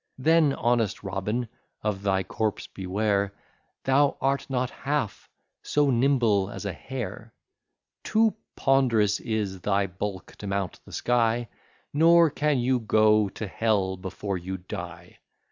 Then, honest Robin, of thy corpse beware; Thou art not half so nimble as a hare: Too ponderous is thy bulk to mount the sky; Nor can you go to Hell before you die.